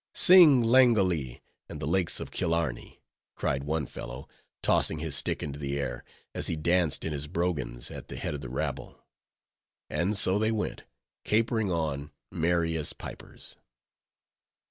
"Sing Langolee, and the Lakes of Killarney," cried one fellow, tossing his stick into the air, as he danced in his brogans at the head of the rabble. And so they went! capering on, merry as pipers.